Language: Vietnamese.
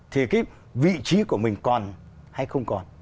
thì vị trí của mình còn hay không còn